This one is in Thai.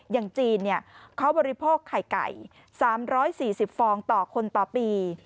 อย่างจีนเขาบริโภคไข่ไก่๓๔๐ฟองต่อคนต่อปี